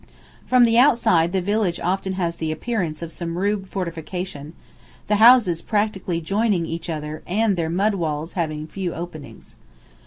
] From the outside the village often has the appearance of some rude fortification, the houses practically joining each other and their mud walls having few openings.